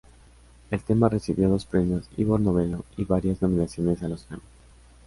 El tema recibió dos premios Ivor Novello y varias nominaciones a los Grammy.